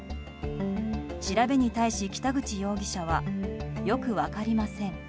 調べに対し、北口容疑者はよく分かりません。